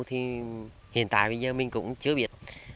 thì hiện tại bây giờ mình cũng chưa có cây sầu riêng